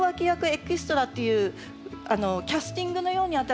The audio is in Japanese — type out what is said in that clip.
エキストラっていうキャスティングのように私。